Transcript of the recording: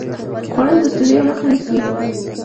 خوړل د ستړیا مخه نیسي